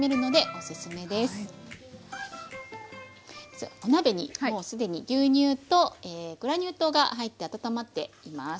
お鍋にもう既に牛乳とグラニュー糖が入って温まっています。